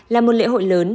là một lễ hội lớn